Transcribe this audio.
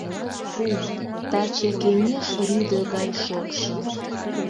Фу, таче кеҥеж рӱдӧ гай шокшо.